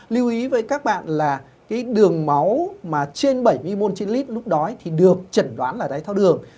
lưu ý với các bạn là cái đường máu mà trên bảy mm lúc đó thì được chẩn đoán là đáy thao đường